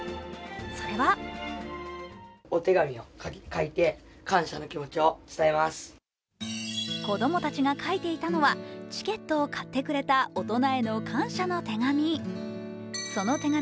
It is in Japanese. それは子供たちが書いていたのはチケットを買ってくれた大人への感謝の手紙。